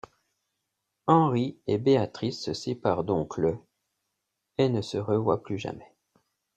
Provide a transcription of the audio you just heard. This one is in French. Henri et Béatrice se séparent donc le et ne se revoient plus jamais.